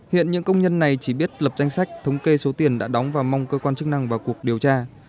hiện những công nhân này chỉ biết lập danh sách thống kê số tiền đã đóng và mong cơ quan chức năng vào cuộc điều tra